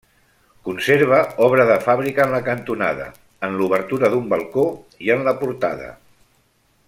Conserva obra de fàbrica en la cantonada, en l'obertura d'un balcó i en la portada.